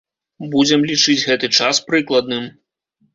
Будзем лічыць гэты час прыкладным.